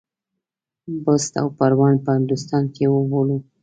بُست او پروان په هندوستان کې وبولو.